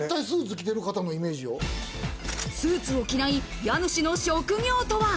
スーツを着ない家主の職業とは？